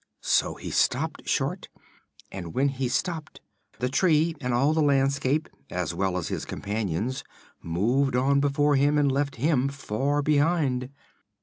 So he stopped short, and when he stopped, the tree and all the landscape, as well as his companions, moved on before him and left him far behind.